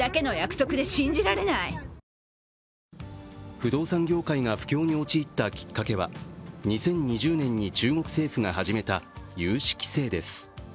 不動産業界が不況に陥ったきっかけは２０２０年に中国政府が始めた融資規制です。